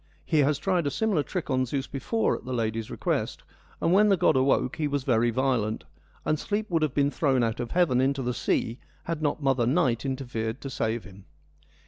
He has tried a similar trick on Zeus before at the lady's request, and when the god awoke he was very violent, and Sleep would have been thrown out of heaven into the sea had not mother Night interfered to save him.